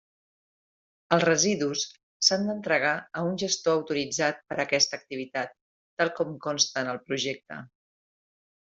Els residus s'han d'entregar a un gestor autoritzat per a aquesta activitat, tal com consta en el projecte.